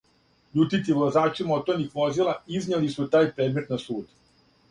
Љутити возачи моторних возила изнијели су тај предмет на суд.